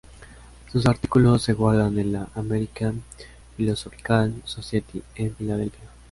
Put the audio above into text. Sus artículos se guardan en la "American Philosophical Society" en Filadelfia.